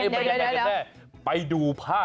ไม่ได้